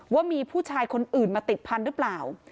ว่ามีผู้ชายคนอื่นมาติดพันธุ์หรือเปล่า